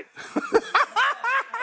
ハハハハ！